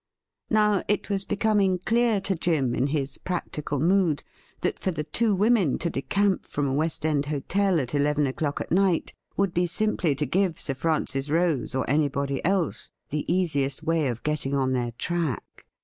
Now, it was becoming clear to Jim in his practical mood that for the two women to decamp from a West End hotel at eleven o'clock at night would be simply to give Sir Francis Rose or anybody else the easiest way of getting on their track.